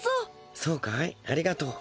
そうかいありがとう。